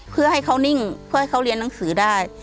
เพื่อให้เขานิ่งเพื่อให้เขาเรียนหนังสือได้